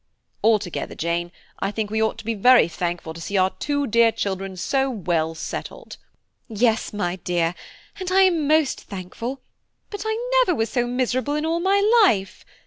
Altogether, Jane, I think we ought to be very thankful to see our two dear children so well settled." "Yes, my dear, and I am most thankful, but I never was so miserable in all my life.